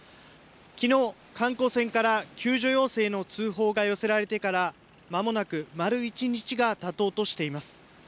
きのう観光船から救助要請の通報が寄せられてからまもなく丸一日がたとうとしています。